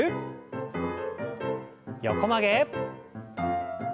横曲げ。